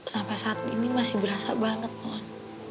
sampai saat ini masih berasa banget pohon